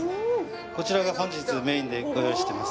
こちらが本日メインでご用意してます